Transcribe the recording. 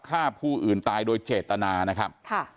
ฆ่าผู้อื่นตายโดยเจตนานะครับ